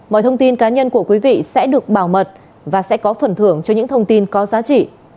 mọi thông tin cá nhân của quý vị sẽ được bảo mật và sẽ có phần thưởng cho những thông tin có giá trị